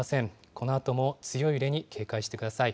このあとも強い揺れに警戒してください。